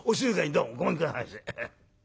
どうもごめんくださいませ。